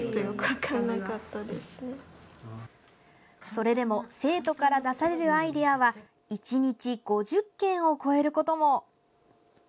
それでも生徒から出されるアイデアは１日５０件を超えることも。